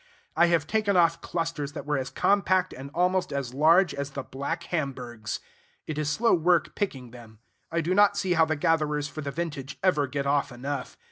I have taken off clusters that were as compact and almost as large as the Black Hamburgs. It is slow work picking them. I do not see how the gatherers for the vintage ever get off enough.